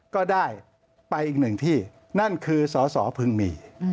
ก็ได้ไปอีกหนึ่งที่นั่นคือสอสอพึงมี